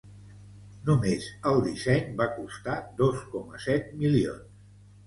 Només el disseny va costar dos coma set milions.